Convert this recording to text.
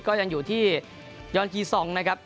ก็ยังอยู่ที่ยอนกีซองนะครับ